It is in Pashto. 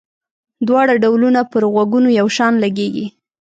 دواړه ډولونه پر غوږونو یو شان لګيږي.